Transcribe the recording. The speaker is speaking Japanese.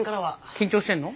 緊張してんの？